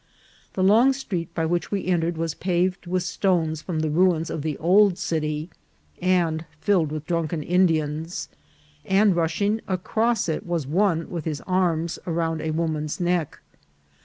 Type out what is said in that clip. The long street by which we entered was paved with stones from the ruins of the old city, and filled with drunken Indians ; and rushing across it was one with his arms around a woman's neck.